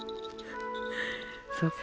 そうか。